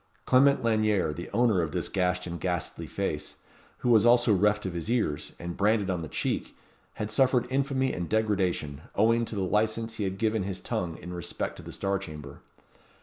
Clement Lanyere, the owner of this gashed and ghastly face, who was also reft of his ears, and branded on the cheek, had suffered infamy and degradation, owing to the licence he had given his tongue in respect to the Star Chamber.